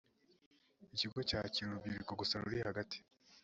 ikigo cyakira gusa urubyiruko ruri hagati